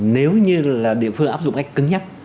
nếu như là địa phương áp dụng cách cứng nhắc